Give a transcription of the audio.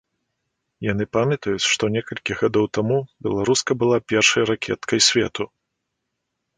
Яны памятаюць, што некалькі гадоў таму беларуска была першай ракеткай свету.